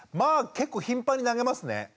結構頻繁に投げますね。